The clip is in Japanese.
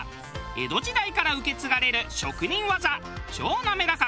江戸時代から受け継がれる職人技超なめらか